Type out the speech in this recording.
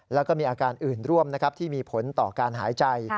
แล้วก็มีอาการอื่นร่วมที่มีผลต่อการหายใจ